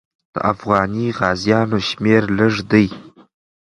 د افغاني غازیانو شمېر لږ دی.